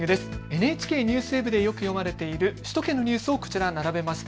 ＮＨＫＮＥＷＳＷＥＢでよく見られている首都圏のニュースはこちら並べました。